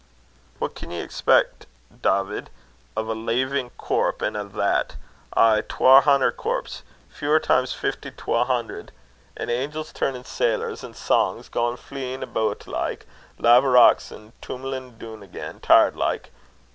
"What can ye expec, Dawvid, o' a leevin' corp, an' a' that? ay, twa hunner corps fower times fifty's twa hunner an' angels turnin' sailors, an' sangs gaein fleein' aboot like laverocks, and tummelin' doon again, tired like?